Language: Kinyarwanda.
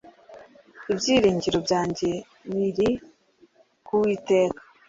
Ibyiringiro byanjye biri kuwiteka